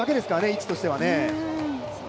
位置としてはね。